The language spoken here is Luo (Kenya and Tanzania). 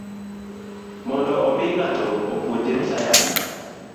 Mondo omi ng'ato opuonjre sayan